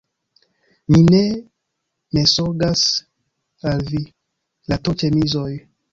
mi ne mensogas al vi! la to-ĉemizoj.